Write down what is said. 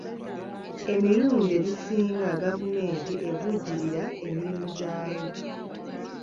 Emirundi egisinga gavumenti evujjirira emirimu gyayo.